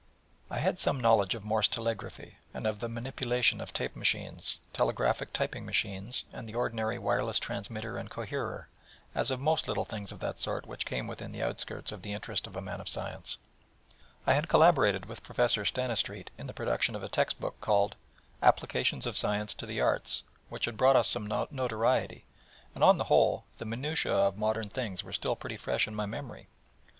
I had some knowledge of Morse telegraphy, and of the manipulation of tape machines, telegraphic typing machines, and the ordinary wireless transmitter and coherer, as of most little things of that sort which came within the outskirts of the interest of a man of science; I had collaborated with Professor Stanistreet in the production of a text book called 'Applications of Science to the Arts,' which had brought us some notoriety; and, on the whole, the minutiae of modern things were still pretty fresh in my memory.